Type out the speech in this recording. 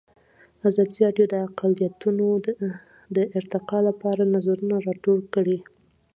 ازادي راډیو د اقلیتونه د ارتقا لپاره نظرونه راټول کړي.